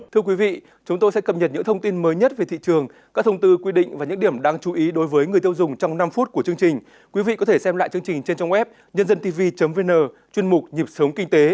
thưa quý vị chúng tôi sẽ cập nhật những thông tin mới nhất về thị trường các thông tư quy định và những điểm đáng chú ý đối với người tiêu dùng trong năm phút của chương trình